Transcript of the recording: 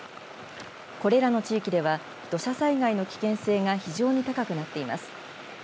これらの地域では土砂災害の危険性が非常に高くなっています。